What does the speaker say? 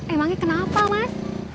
emangnya kenapa mas